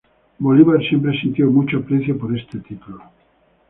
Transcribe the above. Bolívar siempre sintió mucho aprecio por este título.